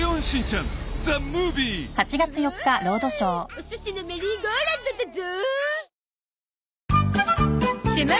お寿司のメリーゴーラウンドだゾ。